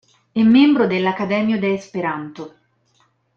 È membro dell'Akademio de Esperanto.